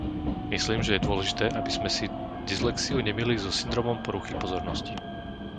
Myslím, že je dôležité, aby sme si dyslexiu nemýlili so syndrómom poruchy pozornosti.